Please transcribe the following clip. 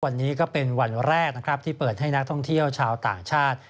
วันนี้ก็เป็นวันแรกนะครับที่เปิดให้นักท่องเที่ยวชาวต่างชาติ